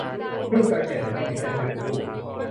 เพิ่งสังเกตเห็นว่ามีเส้นทึบคู่